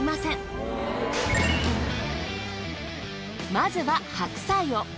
まずは白菜を。